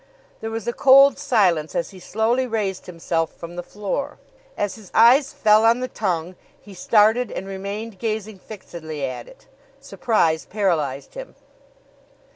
There was a cold silence as he slowly raised himself from the floor. As his eyes fell on the tongue, he started and remained gazing fixedly at it. Surprise paralyzed him.